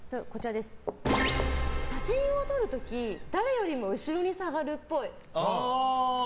写真を撮る時誰よりも後ろに下がるっぽい。